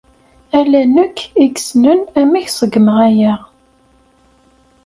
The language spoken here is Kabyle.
Ala nekk i yessnen amek ṣeggmeɣ aya.